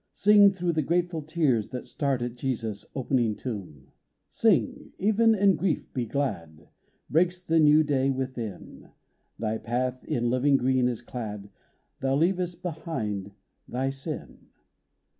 Sing, through the grateful tears that start At Jesus' opening tomb ! Sing ! even in grief be glad ! Breaks the new day within ! Thy path in living green is clad ; Thou leavest behind thy sin.